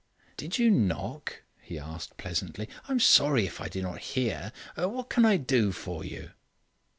"Did you knock?" he asked pleasantly. "I am sorry if I did not hear. What can I do for you?"